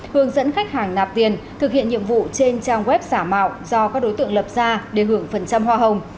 hướng dẫn khách hàng nạp tiền thực hiện nhiệm vụ trên trang web xả mạo do các đối tượng lập ra để hưởng phần trăm hoa hồng